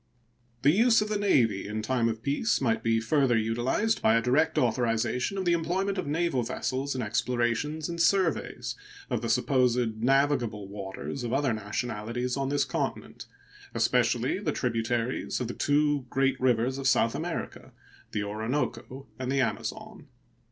The use of the Navy in time of peace might be further utilized by a direct authorization of the employment of naval vessels in explorations and surveys of the supposed navigable waters of other nationalities on this continent, especially the tributaries of the two great rivers of South America, the Orinoco and the Amazon.